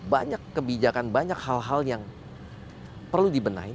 banyak kebijakan banyak hal hal yang perlu dibenahi